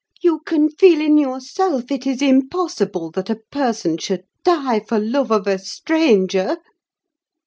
You can feel in yourself it is impossible that a person should die for love of a stranger."